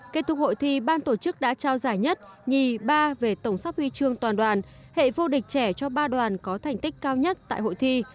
kết thúc hội thi ban tổ chức đã trao giải nhất nhì ba về tổng sắp huy chương toàn đoàn hệ vô địch trẻ cho ba đoàn có thành tích cao nhất tại hội thi